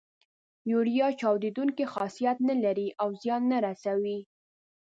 یوریا چاودیدونکی خاصیت نه لري او زیان نه رسوي.